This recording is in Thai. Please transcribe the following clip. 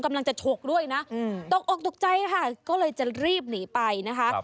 ฉกด้วยนะตกออกตกใจค่ะก็เลยจะรีบหนีไปนะคะ